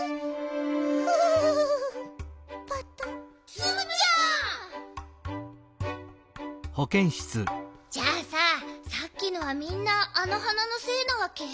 ツムちゃん！じゃあささっきのはみんなあの花のせいなわけ？